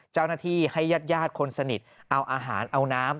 เจ้าหน้าที่ให้ญาติคนสนิทเอาอาหารเอาน้ำ